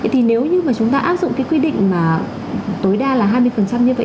thì nếu như mà chúng ta áp dụng cái quy định mà tối đa là hai mươi như vậy